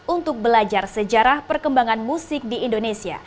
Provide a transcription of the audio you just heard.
untuk belajar sejarah perkembangan musik di indonesia